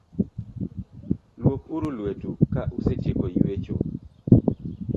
Lwok uru lwet u ka usetieko ywecho